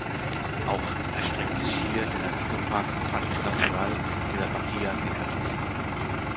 Auch erstreckt sich hier der Naturpark Parque Natural de la Bahía de Cádiz.